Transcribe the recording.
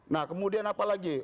nah kemudian apa lagi